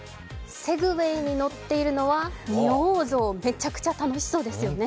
セグウェイに乗っているのは仁王像、めちゃくちゃ楽しそうですよね。